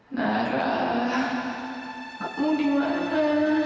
nara kamu dimana